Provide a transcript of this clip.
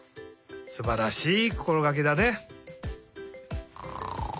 すばらしいこころがけだね。